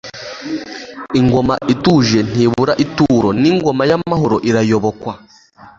Ingoma ituje ntibura ituro ni Ingoma y'amahoro irayobokwa.